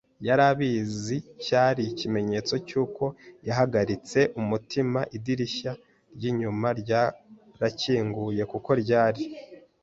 yari abizi, cyari ikimenyetso cyuko yahagaritse umutima. Idirishya ryinyuma ryarakinguye, kuko ryari a